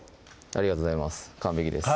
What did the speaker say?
ありがとうございます完璧です